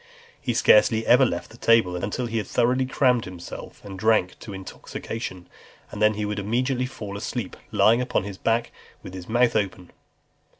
He scarcely ever left the table until he had thoroughly crammed himself and drank to intoxication; and then he would immediately fall asleep, lying upon his back with his mouth open.